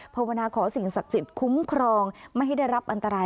ภาวนาขอสิ่งศักดิ์สิทธิ์คุ้มครองไม่ให้ได้รับอันตราย